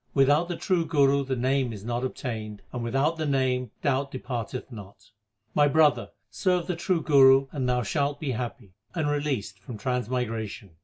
Without the true Guru the Name is not obtained, and without the Name doubt depart eth not. My brother, serve the true Guru and thou shalt be happy, and released from transmigration.